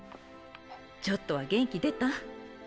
ちょっとは元気出た？